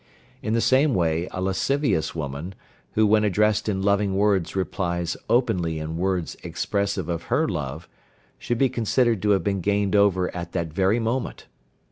In the same way a lascivious woman, who when addressed in loving words replies openly in words expressive of her love, should be considered to have been gained over at that very moment.